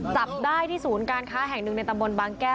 จับได้ที่ศูนย์การค้าแห่งหนึ่งในตำบลบางแก้ว